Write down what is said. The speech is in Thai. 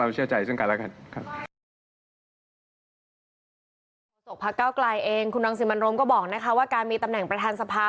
สิ่งที่มันรมก็บอกนะครับการมีตำแหน่งประทานสภา